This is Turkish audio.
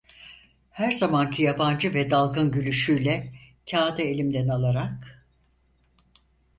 Her zamanki yabancı ve dalgın gülüşüyle kâğıdı elimden alarak…